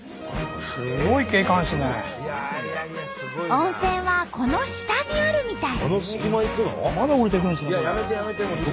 温泉はこの下にあるみたい。